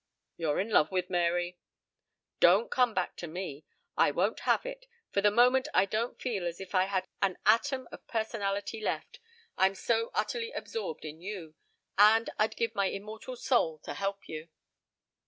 "You're in love with Mary." "Don't come back to me. I won't have it. For the moment I don't feel as if I had an atom of personality left, I'm so utterly absorbed in you; and I'd give my immortal soul to help you."